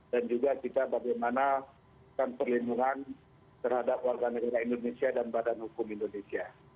dan juga bagaimana kita perlindungan terhadap warga negara indonesia dan badan hukum indonesia